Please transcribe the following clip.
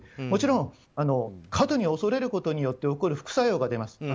もちろん過度に恐れることによって副作用が出ます。